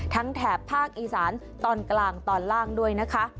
แถบภาคอีสานตอนกลางตอนล่างด้วยนะคะ